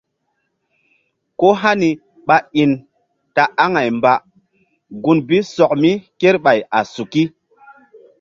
Ko hani ɓa in ta aŋay mba gun bi sɔk mi kerɓay a suki.